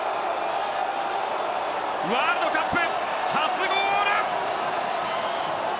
ワールドカップ初ゴール！